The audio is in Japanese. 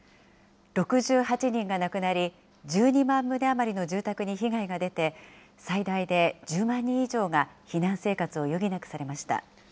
６８人が亡くなり、１２万棟余りの住宅に被害が出て、最大で１０万人以上が避難生活を余儀なくされました。